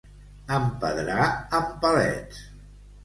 Empedrar amb palets.